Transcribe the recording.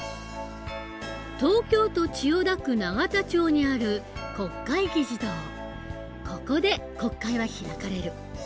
東京都千代田区永田町にあるここで国会は開かれる。